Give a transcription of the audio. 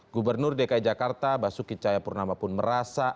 gubernur dki jakarta basuki cayapurnama pun merasa